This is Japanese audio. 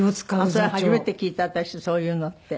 それ初めて聞いた私そういうのって。